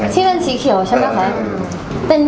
ที่เป็นสีเขียวเนี่ย